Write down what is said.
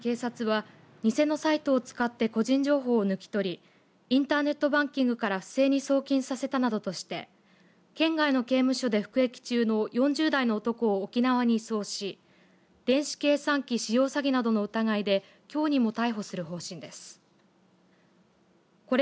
さらに、警察は偽のサイトを使って個人情報を抜き取りインターネットバンキングから不正に送金させたなどとして県外の刑務所で服役中の４０代の男を沖縄に移送し電子計算機使用詐欺などの疑いできょうにも逮捕する方針です。